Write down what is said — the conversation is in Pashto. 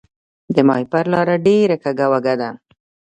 د ماهیپر لاره ډیره کږه وږه ده